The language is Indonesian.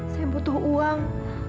saya butuh uang